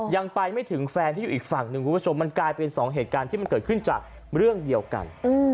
ยังไปไม่ถึงแฟนที่อยู่อีกฝั่งหนึ่งคุณผู้ชมมันกลายเป็นสองเหตุการณ์ที่มันเกิดขึ้นจากเรื่องเดียวกัน